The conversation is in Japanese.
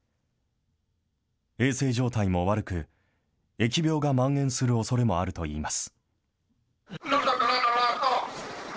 衛生状態も悪く、疫病がまん延するおそれもあるといいます。